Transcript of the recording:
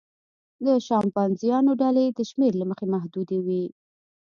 د شامپانزیانو ډلې د شمېر له مخې محدودې وي.